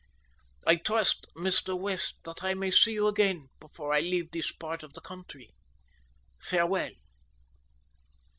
I trust, Mr. West, that I may see you again before I leave this part of the country. Farewell!"